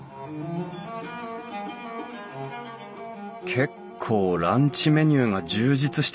結構ランチメニューが充実してるな。